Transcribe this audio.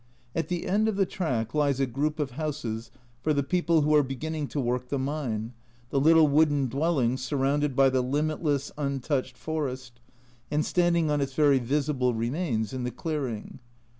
At the end of the track lies a group of houses for the people who are beginning to work the mine, the little wooden dwellings surrounded by the limitless, untouched forest, and standing on its very visible remains in the clearing.